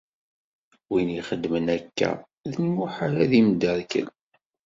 Win ixeddmen akka, d lmuḥal ad imderkal.